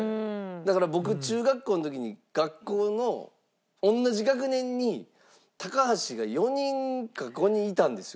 だから僕中学校の時に学校の同じ学年に高橋が４人か５人いたんですよ。